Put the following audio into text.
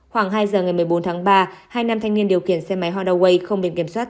khoảng hai giờ ngày một mươi bốn tháng ba hai nam thanh niên điều khiển xe máy houda way không biển kiểm soát